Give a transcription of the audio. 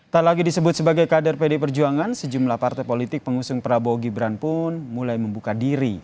tak lagi disebut sebagai kader pdi perjuangan sejumlah partai politik pengusung prabowo gibran pun mulai membuka diri